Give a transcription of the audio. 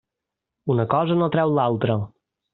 Una cosa no treu l'altra.